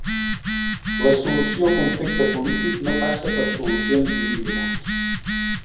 La solució al conflicte polític no passa per solucions individuals.